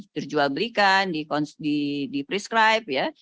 terjual belikan di prescribe ya